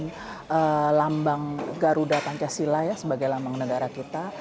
dengan lambang garuda pancasila ya sebagai lambang negara kita